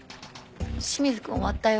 清水君終わったよ。